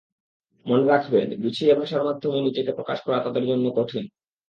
মনে রাখবেন, গুছিয়ে ভাষার মাধ্যমে নিজেকে প্রকাশ করা তাদের জন্য কঠিন।